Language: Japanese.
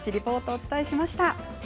お伝えしました。